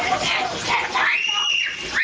เบ็ดสืบหัวพ่าเบ็ดสืบหัวพ่า